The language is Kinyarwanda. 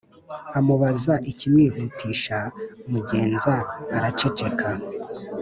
amubaza ikimwihutisha mugenza araceceka